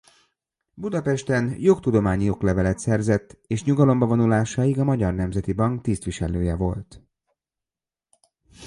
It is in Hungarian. Budapesten jogtudományi oklevelet szerzett és nyugalomba vonulásáig a Magyar Nemzeti Bank tisztviselője volt.